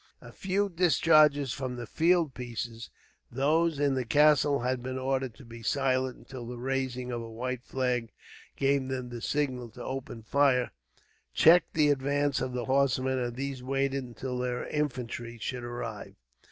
A few discharges from the field pieces those in the castle had been ordered to be silent until the raising of a white flag gave them the signal to open fire checked the advance of the horsemen, and these waited until their infantry should arrive.